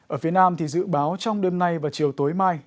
ở phía nam thì dự báo trong đêm nay và chiều tối mai